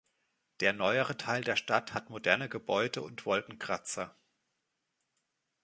Der neuere Teil der Stadt hat moderne Gebäude und Wolkenkratzer.